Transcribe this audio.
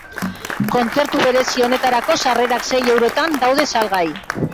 Kontzertu berezi honetarako sarrerak sei eurotan daude salgai.